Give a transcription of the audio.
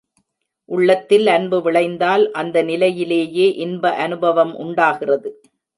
உள்ளத்தில் அன்பு விளைந்தால் அந்த நிலையிலேயே இன்ப அநுபவம் உண்டாகிறது.